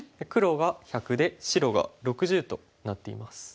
黒が１００で白が６０となっています。